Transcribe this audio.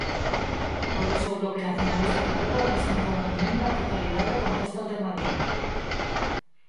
Por iso o Bloque Nacionalista Galego presenta unha emenda á totalidade con texto alternativo.